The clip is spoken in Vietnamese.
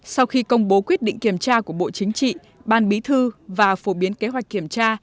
sau khi công bố quyết định kiểm tra của bộ chính trị ban bí thư và phổ biến kế hoạch kiểm tra